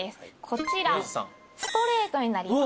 こちらストレートになります。